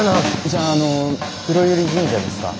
じゃああの黒百合神社ですか？